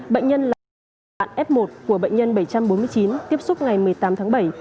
bệnh nhân là bệnh nhân bảy trăm bốn mươi chín tiếp xúc ngày một mươi tám tháng bảy